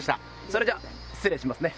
それじゃ失礼しますね。